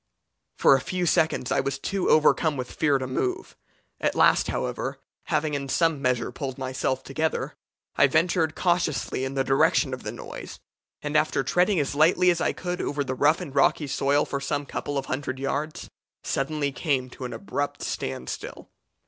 For a few seconds I was too overcome with fear to move. At last, however, having in some measure pulled myself together, I ventured cautiously in the direction of the noise, and after treading as lightly as I could over the rough and rocky soil for some couple of hundred yards, suddenly came to an abrupt standstill.